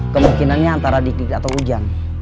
kemungkinannya antara dikit atau ujang